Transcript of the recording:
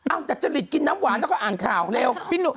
อ้าวแต่จะหลีกินน้ำหวานแล้วก็อ่านข่าวเร็ว